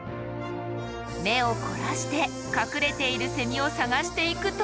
目を凝らして隠れているセミを探していくと。